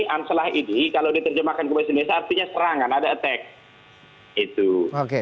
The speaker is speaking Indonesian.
anslah ini kalau diterjemahkan ke bahasa indonesia artinya serangan ada attack